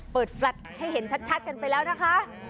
แฟลตให้เห็นชัดกันไปแล้วนะคะ